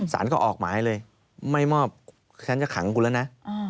สารก็ออกหมายเลยไม่มอบฉันจะขังกูแล้วนะ